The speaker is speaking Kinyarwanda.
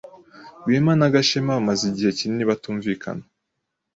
Rwema na Gashema bamaze igihe kinini batumvikana.